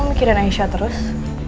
lo mikirin aisyah terus